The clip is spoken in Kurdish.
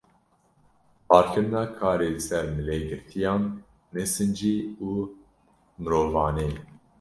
Barkirina karê li ser milê girtiyan ne sincî û mirovane ye.